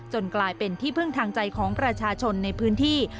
กลายเป็นที่พึ่งทางใจของประชาชนในพื้นที่